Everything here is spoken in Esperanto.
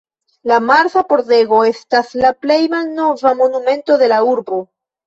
La Marsa Pordego estas la plej malnova monumento de la urbo.